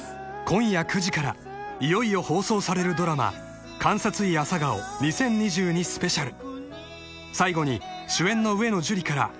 ［今夜９時からいよいよ放送されるドラマ『監察医朝顔２０２２スペシャル』］［最後に］